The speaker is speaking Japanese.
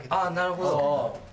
なるほど。